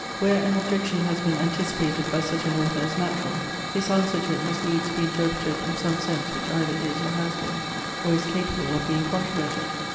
Where an objection has been anticipated by such an author as natural, his answer to it must needs be interpreted in some sense which either is, or has been, or is capable of being controverted.